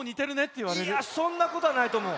いやそんなことはないとおもう。